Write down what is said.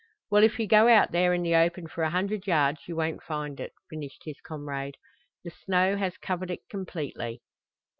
"Well, if you go out there in the open for a hundred yards you won't find it," finished his comrade. "The snow has covered it completely."